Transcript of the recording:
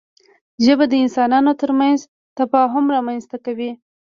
ژبه د انسانانو ترمنځ تفاهم رامنځته کوي